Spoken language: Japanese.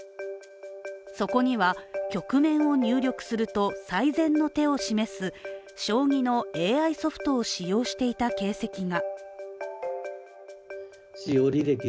そこには局面を入力すると最善の手を示す将棋のＡＩソフトを使用していた形跡が。